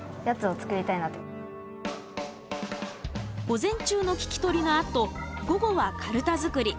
午前中の聞き取りのあと午後はかるた作り。